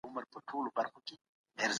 د کتاب له لوستلو وروسته فکر وکړئ.